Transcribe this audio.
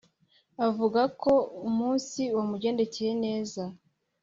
avuga ko umunsi wamugendekeye neza